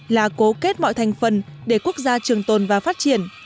là cố kết mọi thành phần để quốc gia trường tồn và phát triển